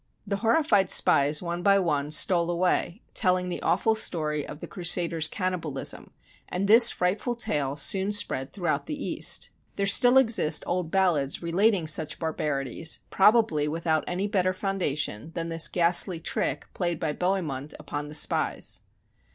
The horrified spies one by one stole away, telling the awful story of the Cru saders' cannibalism, and this frightful tale soon spread throughout the East. There still exist old SIEGE OF ANTIOCH ballads relating such barbarities, probably without any better foundation than this ghastly trick played by Bohemund upon the spies.